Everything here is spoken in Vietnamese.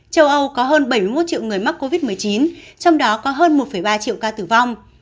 châu âu có hơn bảy mươi một triệu người mắc covid một mươi chín trong đó có hơn một ba triệu ca tử vong